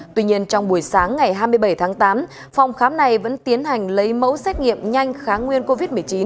tuy nhiên trong buổi sáng ngày hai mươi bảy tháng tám phòng khám này vẫn tiến hành lấy mẫu xét nghiệm nhanh kháng nguyên covid một mươi chín